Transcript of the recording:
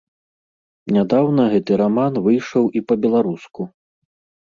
Нядаўна гэты раман выйшаў і па-беларуску.